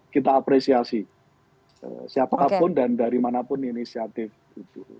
kita apresiasi siapapun dan dari mana pun inisiatif itu